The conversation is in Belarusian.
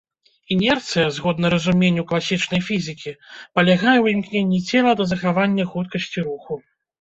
Інерцыя, згодна разуменню класічнай фізікі, палягае ў імкненні цела да захавання хуткасці руху.